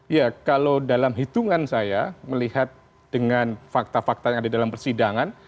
ya kalau dalam hitungan saya melihat dengan fakta fakta yang ada dalam persidangan